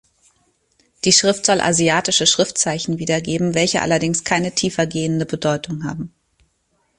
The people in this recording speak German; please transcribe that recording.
Die Schrift soll asiatische Schriftzeichen wiedergeben, welche allerdings keine tiefergehende Bedeutung haben.